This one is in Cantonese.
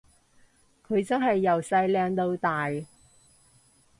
佢真係由細靚到大